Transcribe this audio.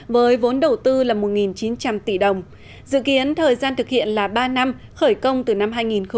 với vốn đầu tư là một chín trăm linh tỷ đồng dự kiến thời gian thực hiện là ba năm khởi công từ năm hai nghìn hai mươi